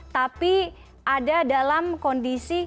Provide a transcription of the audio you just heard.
tapi ada dalam kondisi